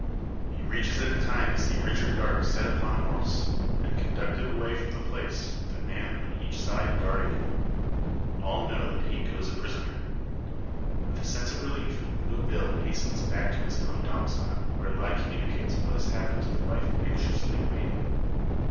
He reaches it in time to see Richard Darke set upon a horse, and conducted away from the place, with a man on each side, guarding him. All know that he goes a prisoner. With a sense of relief, Blue Bill hastens back to his own domicile, where lie communicates what has happened to the wife anxiously waiting.